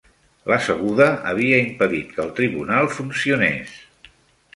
La seguda havia impedit que el tribunal funcionés.